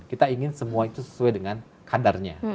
kita ingin semua itu sesuai dengan kadarnya